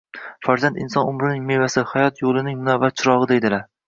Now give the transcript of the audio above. Farzand inson umrining mevasi, hayot yo`lining munavvar chirog`i deydilar